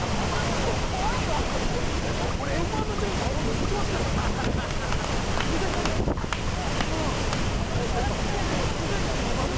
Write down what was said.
俺、「Ｍ‐１」の順位とこの数字が一番好きなの。